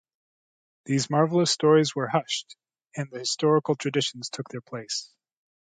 These marvelous stories were hushed and historical traditions took their place.